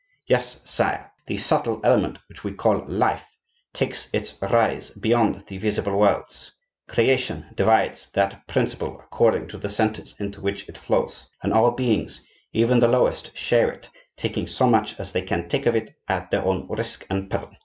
Yes, sire, the subtle element which we call life takes its rise beyond the visible worlds; creation divides that principle according to the centres into which it flows; and all beings, even the lowest, share it, taking so much as they can take of it at their own risk and peril.